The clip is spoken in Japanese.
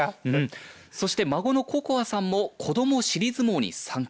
そして孫の心明さんも子ども尻相撲に参加。